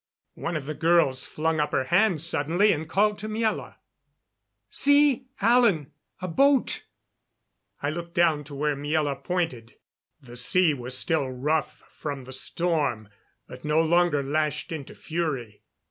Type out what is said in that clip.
One of the girls flung up her hand suddenly and called to Miela. "See, Alan a boat!" I looked down to where Miela pointed. The sea was still rough from the storm, but no longer lashed into fury.